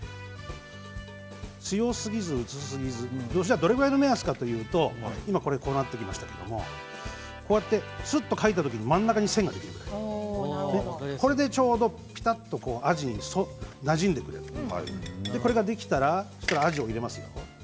強すぎず薄すぎずどれくらいの目安かというと今、こうなってきましたけれどすっと書いた時に真ん中に線ができるこれでちょうどびたっとアジになじんでくれるこれができたらアジを入れますよ。